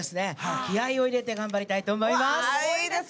気合いを入れて頑張りたいと思います。